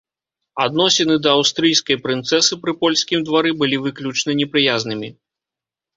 Адносіны да аўстрыйскай прынцэсы пры польскім двары былі выключна непрыязнымі.